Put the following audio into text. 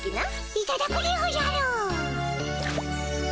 いただくでおじゃる。